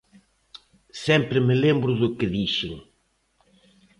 Sempre me lembro do que dixen